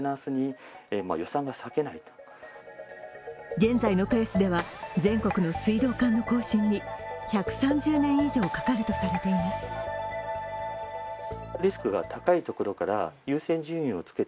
現在のペースでは全国の水道管の更新に１３０年以上かかるとされています。